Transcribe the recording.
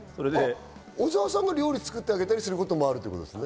小澤さんが料理作ってあげたりすることもあるんですね。